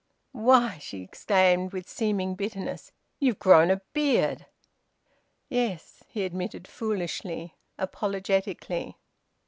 "Why," she exclaimed, with seeming bitterness, "you've grown a beard!" "Yes," he admitted foolishly, apologetically.